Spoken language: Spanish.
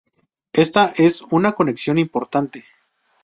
Esta es una conexión importante.